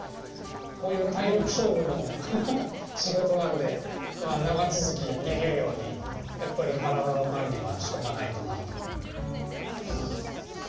こういう体力勝負の仕事なんでまあ長続きできるようにやっぱり体の管理はしとかないとなと。